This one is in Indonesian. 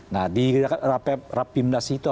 nah di rpimnas itu